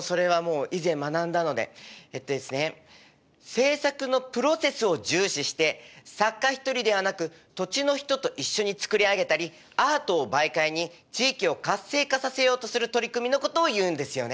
制作のプロセスを重視して作家一人ではなく土地の人と一緒に作り上げたりアートを媒介に地域を活性化させようとする取り組みのことをいうんですよね！